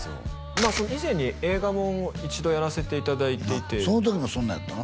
まあその以前に映画も一度やらせていただいていてそのときもそんなんやったの？